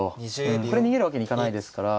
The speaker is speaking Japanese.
これ逃げるわけにいかないですから。